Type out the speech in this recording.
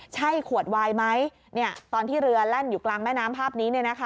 ใช่ขวดวายไหมตอนที่เรือแล่นอยู่กลางแม่น้ำภาพนี้